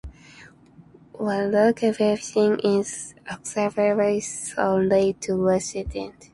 Wenlock Basin is accessible only to residents.